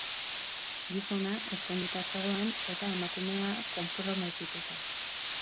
Gizona ezkonduta zegoen eta emakumea, konprometituta.